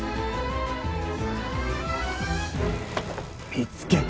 見つけた！